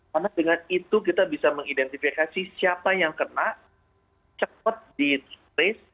karena dengan itu kita bisa mengidentifikasi siapa yang kena cepat di trace